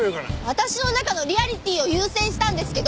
私の中のリアリティーを優先したんですけど！